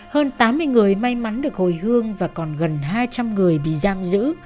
hơn tám mươi người may mắn được hồi hương và còn gần hai trăm linh người bị giam giữ